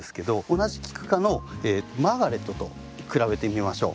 同じキク科のマーガレットと比べてみましょう。